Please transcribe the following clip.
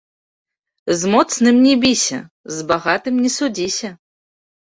З моцным не біся, з багатым не судзіся